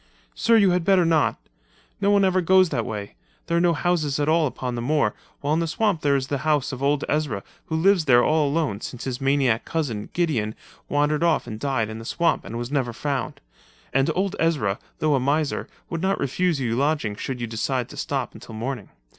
"Sir, you had better not. No one ever goes that way. There are no houses at all upon the moor, while in the swamp there is the house of old Ezra who lives there all alone since his maniac cousin, Gideon, wandered off and died in the swamp and was never found—and old Ezra though a miser would not refuse you lodging should you decide to stop until morning.